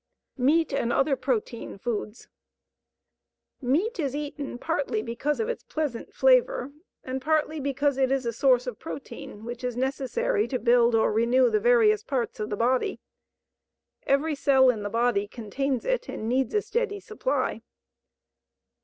MEAT AND OTHER PROTEIN FOODS Meat is eaten partly because of its pleasant flavor and partly because it is a source of protein which is necessary to build or renew the various parts of the body. Every cell in the body contains it and needs a steady supply.